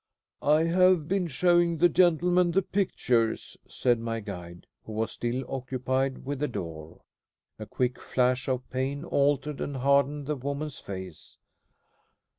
"I have been showing the gentleman the pictures," said my guide, who was still occupied with the door. A quick flash of pain altered and hardened the woman's face.